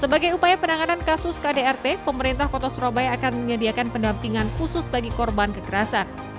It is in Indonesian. sebagai upaya penanganan kasus kdrt pemerintah kota surabaya akan menyediakan pendampingan khusus bagi korban kekerasan